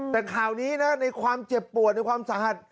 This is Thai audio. แต่ข่าวนี้นะในความเจ็บปวดในความสาหัส